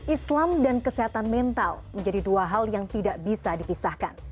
islam dan kesehatan mental menjadi dua hal yang tidak bisa dipisahkan